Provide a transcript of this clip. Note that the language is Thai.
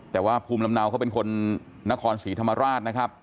แต่ว่าภูมิลำเนาเขาเป็นคนนครศรีธรรมราชนะครับ